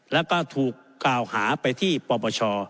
แล้วก็ถูกกล่าวหาไปที่ปปช